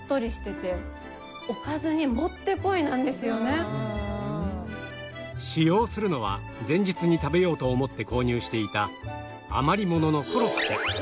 ホントに使用するのは前日に食べようと思って購入していた余り物のコロッケ